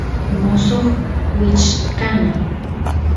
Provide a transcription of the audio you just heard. mosoq wichkana